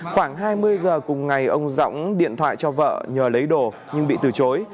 khoảng hai mươi h cùng ngày ông rõng điện thoại cho vợ nhờ lấy đồ nhưng bị từ chối